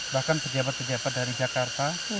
bahkan pejabat pejabat dari jakarta